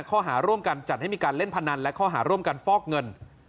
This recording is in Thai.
ข้อหาร่วมกันจัดให้มีการเล่นพนันและข้อหาร่วมกันฟอกเงิน